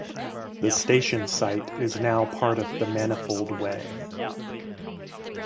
The station site is now part of the Manifold Way.